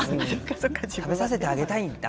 食べさせてあげたいんです。